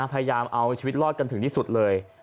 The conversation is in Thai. พยายามเอาชีวิตรอดกันถึงที่สุดเลย